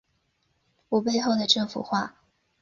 我背后的这幅画